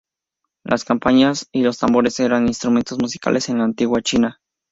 Las campanas y los tambores eran instrumentos musicales en la antigua China.